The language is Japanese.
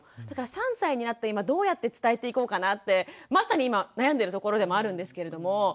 だから３歳になった今どうやって伝えていこうかなってまさに今悩んでるところでもあるんですけれども。